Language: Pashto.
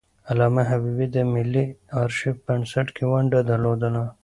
علامه حبيبي د ملي آرشیف بنسټ کې ونډه درلودله.